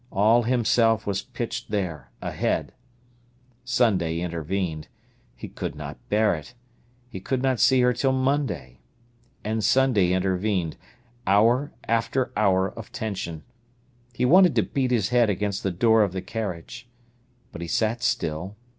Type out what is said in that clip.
All himself was pitched there, ahead. Sunday intervened. He could not bear it. He could not see her till Monday. And Sunday intervened—hour after hour of tension. He wanted to beat his head against the door of the carriage. But he sat still.